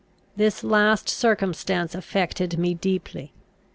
This last circumstance affected me deeply.